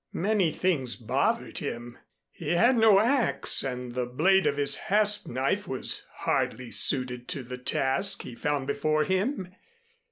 Many things bothered him. He had no axe and the blade of his hasp knife was hardly suited to the task he found before him.